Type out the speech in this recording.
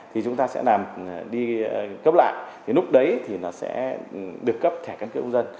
thì chúng ta sẽ đi cấp lại thì lúc đấy thì nó sẽ được cấp thẻ căn cước công dân